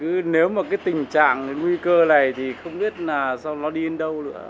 cứ nếu mà cái tình trạng nguy cơ này thì không biết là sao nó đi đến đâu nữa